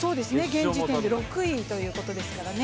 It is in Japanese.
現時点で６位ということですからね。